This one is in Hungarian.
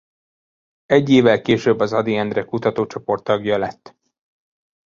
Egy évvel később az Ady Endre Kutatócsoport tagja lett.